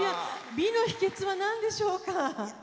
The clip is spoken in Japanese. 美の秘けつはなんでしょうか？